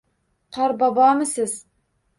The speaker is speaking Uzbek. - Qorbobomisiz?!